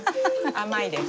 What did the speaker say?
甘いです。